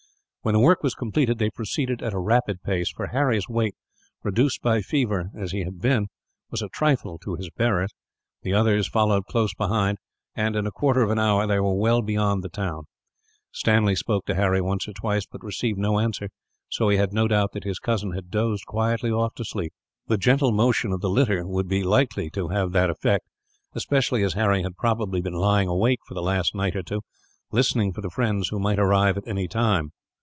When the work was completed, they proceeded at a rapid pace; for Harry's weight, reduced by fever as he had been, was a trifle to his bearers. The others followed close behind and, in a quarter of an hour, they were well beyond the town. Stanley spoke to Harry once or twice, but received no answer; so he had no doubt that his cousin had dozed quietly off to sleep. The gentle motion of the litter would be likely to have that effect; especially as Harry had probably been lying awake, for the last night or two, listening for the friends who might arrive at any time.